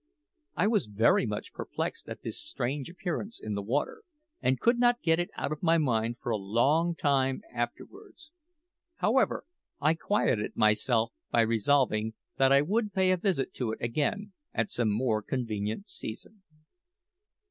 I was very much perplexed at this strange appearance in the water, and could not get it out of my mind for a long time afterwards. However, I quieted myself by resolving that I would pay a visit to it again at some more convenient season.